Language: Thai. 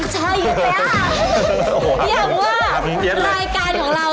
ใช่ค่ะยังว่ารายการของเรา